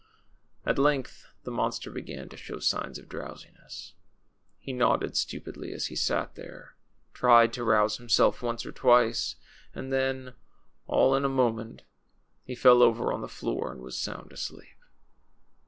At length the monster began to show signs of drowsiness. He nodded stupidly as he sat there, tried to rouse himself once or twice, and then, all in a moment, he fell over on the floor and was sound asleep.